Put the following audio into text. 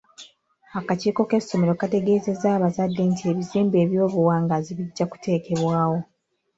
Akakiiko k'essomero kategeezezza abazadde nti ebizimbe eby'obuwangaazi bijja kuteekebwawo.